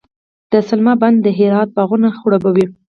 د سلما بند د هرات باغونه خړوبوي.